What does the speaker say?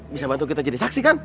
bisa bantu kita jadi saksi kan